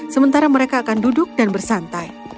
sementara mereka akan duduk dan bersantai